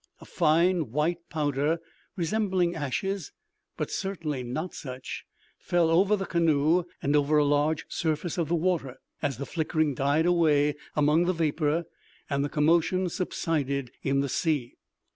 A fine white powder, resembling ashes—but certainly not such—fell over the canoe and over a large surface of the water, as the flickering died away among the vapor and the commotion subsided in the sea.